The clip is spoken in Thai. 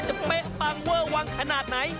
เป๊ะปังเวอร์วังขนาดไหน